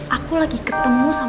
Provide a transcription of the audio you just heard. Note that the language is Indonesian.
aku lagi ketemu sama